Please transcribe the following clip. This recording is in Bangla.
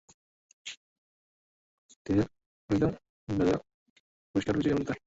তিনি একজন জাতীয় চলচ্চিত্র পুরস্কার বিজয়ী অভিনেত্রী।